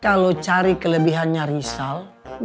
kalo cari kelebihannya rizal